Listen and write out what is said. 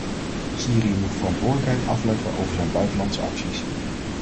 Syrië moet verantwoordelijkheid afleggen over zijn buitenlandse acties.